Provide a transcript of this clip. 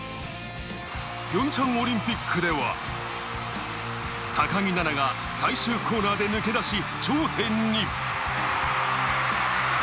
ピョンチャンオリンピックでは高木菜那が最終コーナーで抜け出し、頂点に。